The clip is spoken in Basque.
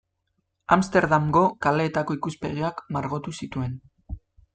Amsterdamgo kaleetako ikuspegiak margotu zituen.